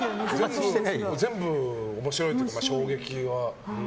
全部面白いというか、衝撃は。